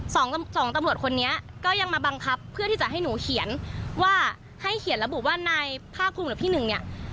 สองสองตำรวจคนนี้ก็ยังมาบังคับเพื่อที่จะให้หนูเขียนว่าให้เขียนระบุว่านายภาคภูมิหรือพี่หนึ่งเนี่ย